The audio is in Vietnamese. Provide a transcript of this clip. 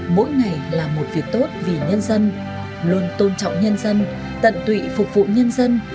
mỗi ngày là một việc tốt vì nhân dân luôn tôn trọng nhân dân tận tụy phục vụ nhân dân